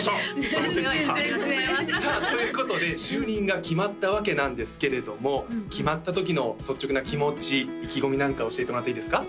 その節はさあということで就任が決まったわけなんですけれども決まったときの率直な気持ち意気込みなんか教えてもらっていいですか？